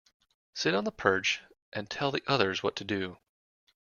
Sit on the perch and tell the others what to do.